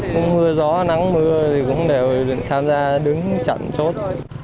cũng mưa gió nắng mưa thì cũng đều tham gia đứng chặn chốt